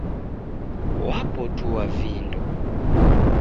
Wapotua vindo